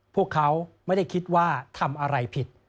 พวกเขาไม่ได้คิดว่าทำอะไรผิด